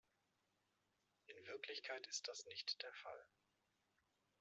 In Wirklichkeit ist das nicht der Fall.